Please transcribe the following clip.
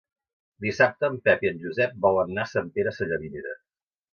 Dissabte en Pep i en Josep volen anar a Sant Pere Sallavinera.